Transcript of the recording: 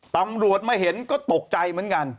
ตำรวจมาเห็นก็ตกใจเหมือนกัน